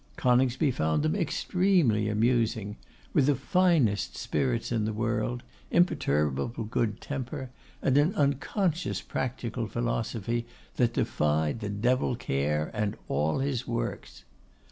Coningsby found them extremely amusing; with the finest spirits in the world, imperturbable good temper, and an unconscious practical philosophy that defied the devil Care and all his works.